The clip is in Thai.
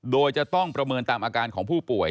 โดยจะต้องประเมินตามอาการของผู้ป่วย